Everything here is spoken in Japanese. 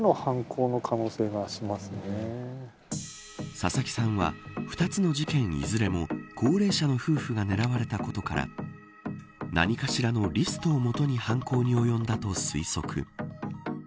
佐々木さんは２つの事件いずれも高齢者の夫婦が狙われたことから何かしらのリストを基に犯行におよんだと推測。